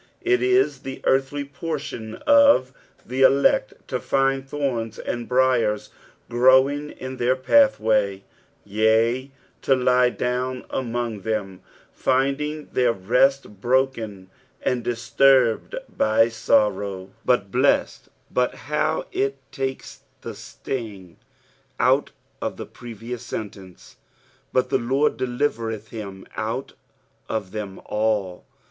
It is the earthly portion of the elect to find thorns and briers growing in their pathway, yea, to lie down among them, flnding their rest broken and disturbed by sorrow, lior, blessed hut, how it takes the ating out ol the previous sentence !" But the Lord delhereth him out of tkem all."